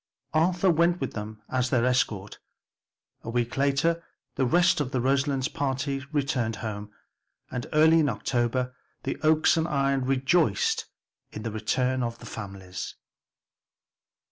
Arthur went with them as their escort. A week later the rest of the Roselands party returned home, and early in October the Oaks and Ion rejoiced in the return of their families.